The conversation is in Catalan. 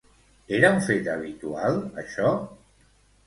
Era un fet habitual això?